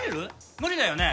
無理だよね？